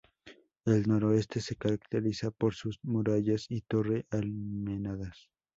El noroeste se caracteriza por sus murallas y torre almenadas.